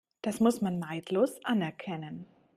Das muss man neidlos anerkennen.